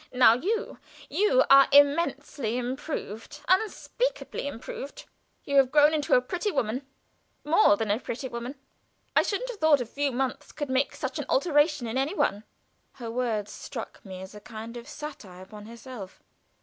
Now you you are immensely improved unspeakably improved. You have grown into a pretty woman more than a pretty woman. I shouldn't have thought a few months could make such an alteration in any one." Her words struck me as a kind of satire upon herself.